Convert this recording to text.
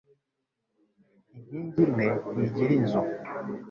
Inkingi imwe ntigira inzu